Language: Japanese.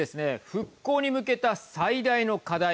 復興に向けた最大の課題